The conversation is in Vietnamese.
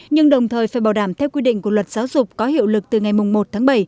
nhưng đồng thời phải bảo đảm theo quy định của luật giáo dục có hiệu lực từ ngày một tháng bảy